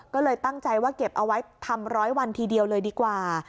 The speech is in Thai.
ก็เลยตั้งใจว่าเก็บเอาไว้ทำร้อยวันทีเดียวเลยดีกว่า